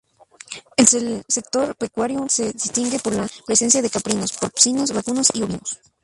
El sector pecuario se distingue por la presencia de caprinos, porcinos, vacunos y ovinos.